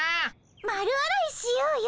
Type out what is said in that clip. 丸洗いしようよ。